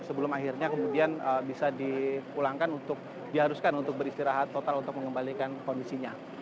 sebelum akhirnya kemudian bisa dipulangkan untuk diharuskan untuk beristirahat total untuk mengembalikan kondisinya